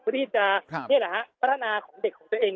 เพื่อที่จะพัฒนาของเด็กของตัวเอง